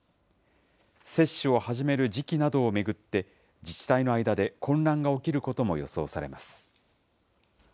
接種を始める時期などを巡って、自治体の間で混乱が起きることも予想されます。